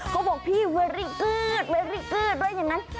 เขาบอกพี่เวอรี่กื๊ดเวอรี่กื๊ดด้วยอย่างนั้น